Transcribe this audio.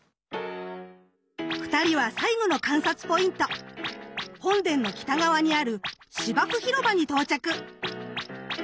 ２人は最後の観察ポイント本殿の北側にある芝生広場に到着。